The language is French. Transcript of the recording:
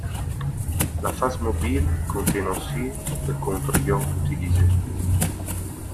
La phase mobile contient aussi le contre-ion utilisé.